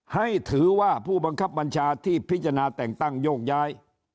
ให้ถือว่าผู้บังคับบัญชาที่พิจารณาแต่งตั้งโยกย้าย